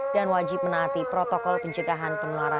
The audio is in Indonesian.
dan wajib menaati protokol penjagaan